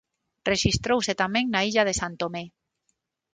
Rexistrouse tamén na illa de San Tomé.